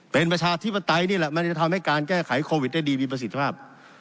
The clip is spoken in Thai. เป็นประชาธิปไตยนี่แหละมันจะทำให้การแก้ไขโควิดได้ดีมีประสิทธิภาพ